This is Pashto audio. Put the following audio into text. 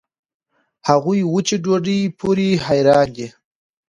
هغوي وچې ډوډوۍ پورې حېران دي.